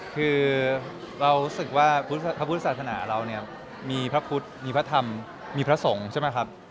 คือเรารู้สึกว่าพระพุทธศาสนาเราเนี่ยมีพระพุทธมีพระธรรมมีพระสงฆ์ใช่ไหมครับ